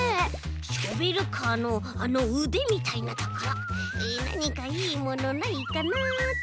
ショベルカーのあのうでみたいなところなにかいいものないかなっと。